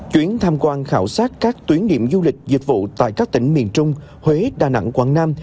chuyến tham quan khảo sát các tuyến điểm du lịch dịch vụ tại các tỉnh miền trung huế đà nẵng quảng nam